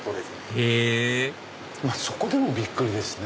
へぇそこでもびっくりですね。